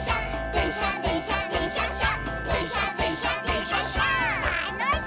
「でんしゃでんしゃでんしゃっしゃ」